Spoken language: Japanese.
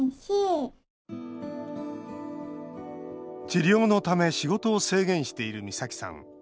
治療のため仕事を制限している美咲さん。